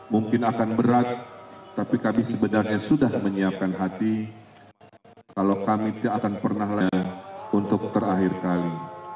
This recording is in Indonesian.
mungkin akan berat tapi kami sebenarnya sudah menyiapkan hati kalau kami tidak akan pernah lagi untuk terakhir kali